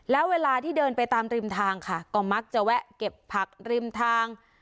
แล้วเวลาที่เดินไปตามริมทางค่ะก็มักจะแวะเก็บผักริมทาง